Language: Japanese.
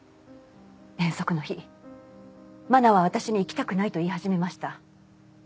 遠足の日愛菜は私に行きたくないと言い始めました。